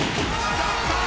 やったー！